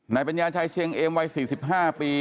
ปัญญาชัยเชียงเอมวัย๔๕ปี